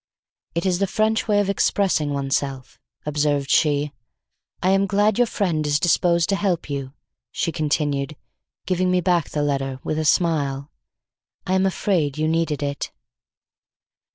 It is the French way of expressing one's self," observed she. "I am glad your friend is disposed to help you," she continued, giving me back the letter with a smile. "I am afraid you needed it."